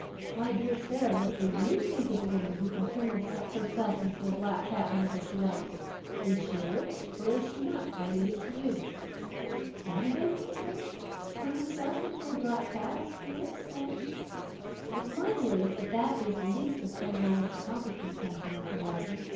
My dear Sara, what do YOU think of a woman who can turn herself into a black cat whenever she likes? Is she a witch? Or is she not? I leave it to you." "Can Peg Bowen turn herself into a black cat?" asked Felix, staring. "It's my belief that that is the least of Peg Bowen's accomplishments," answered Uncle Roger.